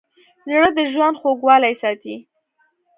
زړه د ژوند خوږوالی ساتي.